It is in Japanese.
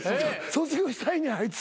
卒業したいんやあいつ。